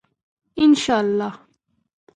انشاالله.